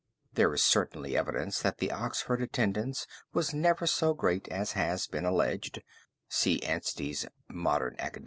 There is certainly evidence that the Oxford attendance was never so great as has been alleged (see Anstey's 'Mon Acad.')